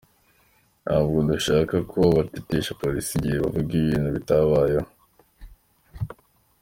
Ntabwo dushaka ko batesha polisi igihe bavuga ibintu bitabayeho.